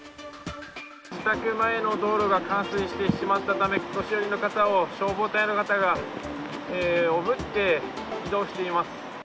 自宅前の道路が冠水してしまったためお年寄りの方を消防隊の方がおぶって移動しています。